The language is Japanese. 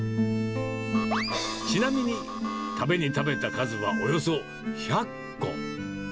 ちなみに食べに食べた数は、およそ１００個。